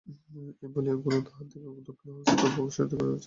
এই বলিয়া গোরা তাহার দিকে দক্ষিণ হস্ত প্রসারিত করিয়া অগ্রসর হইয়া গেল।